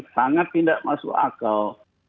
sangat tidak masuk akal